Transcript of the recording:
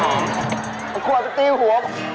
เอาขวดไปตีหัว